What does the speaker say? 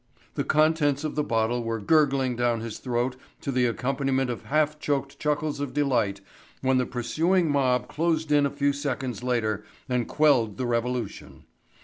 The contents of the bottle were gurgling down his throat to the accompaniment of half choked chuckles of delight when the pursuing mob closed in a few seconds later and quelled the revolution.